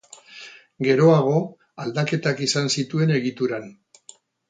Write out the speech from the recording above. Geroago aldaketak izan zituen egituran.